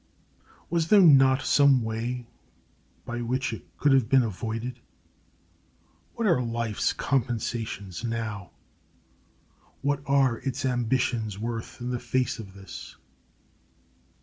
Was there not some way by which it could have been avoided? What are life's compensations now? What are its ambitions worth in the face of this?